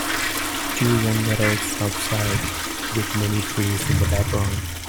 Two young adults outside, with many trees in the background.